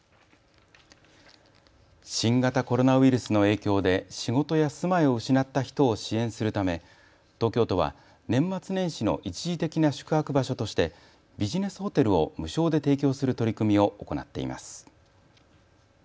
新型コロナウイルスの影響で仕事や住まいを失った人を支援するため東京都は年末年始の一時的な宿泊場所としてビジネスホテルを無償で提供する取り組みを行っています。